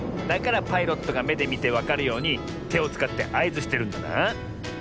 だからパイロットがめでみてわかるようにてをつかってあいずしてるんだな。